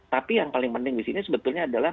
tapi yang paling penting di sini sebetulnya adalah